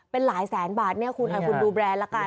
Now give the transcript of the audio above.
เป็นหลายแสนบาทเนี่ยคุณดูแบรนด์ละกัน